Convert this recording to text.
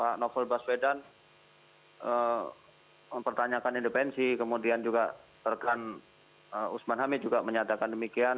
pak novel baswedan mempertanyakan independensi kemudian juga rekan usman hamid juga menyatakan demikian